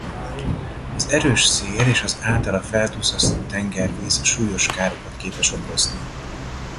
Az erős szél és az általa felduzzasztott tengervíz súlyos károkat képes okozni